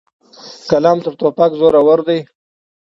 قلم تر توپک زورور دی.